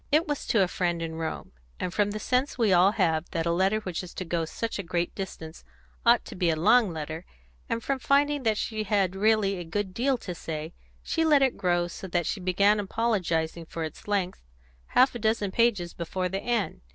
It was to a friend in Rome, and from the sense we all have that a letter which is to go such a great distance ought to be a long letter, and from finding that she had really a good deal to say, she let it grow so that she began apologising for its length half a dozen pages before the end.